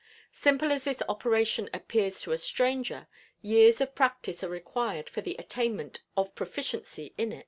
Simple as this operation appears to a stranger, years of practice are required for the attainment of proficiency in it.